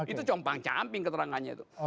itu compang camping keterangannya itu